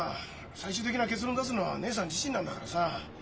最終的な結論出すのは義姉さん自身なんだからさ。